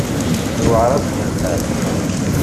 Iwεer-asen lḥal.